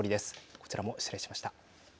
こちらも失礼しました。